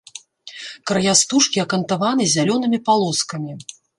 Края стужкі акантаваны зялёнымі палоскамі.